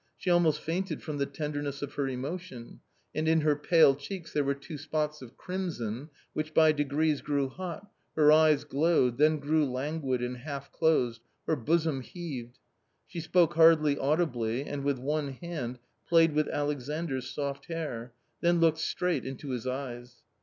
She almost fainted from the tenderness of her emotion ; and in her pale cheeks there were two spots of crimson, which by degrees grew hot, her eyes glowed, then grew languid and half closed ; her bosom heaved. She spoke hardly audibly, and with one hand played with Alexandr's soft hair, then looked straight into his eyes.